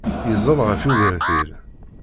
Yeẓẓel ɣef ugertil.